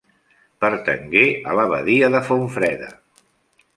Pertangué a l'abadia de Fontfreda.